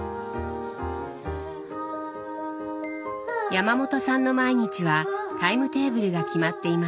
山本さんの毎日はタイムテーブルが決まっています。